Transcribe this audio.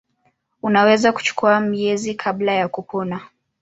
Unaweza kuchukua miezi kabla ya kupona.